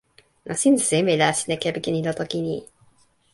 nasin seme la sina kepeken ilo toki ni?